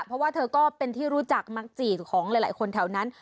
เพราะว่าเธอก็เป็นที่รู้จักมักจีของหลายคนแถวนั้น